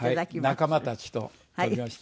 仲間たちと飛びました。